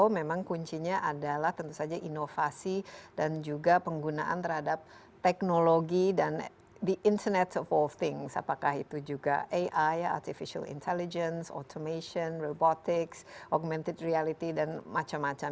memang kuncinya adalah tentu saja inovasi dan juga penggunaan terhadap teknologi dan the internet of all things apakah itu juga ai artificial intelligence automation robotics augmented reality dan macam macam